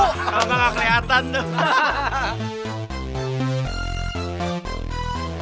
kamu nggak kelihatan tuh